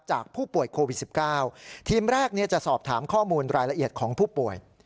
จากผู้ป่วยโควิด๑๙ทีมแรกจะสอบถามข้อมูลรายละเอียดของผู้ป่วย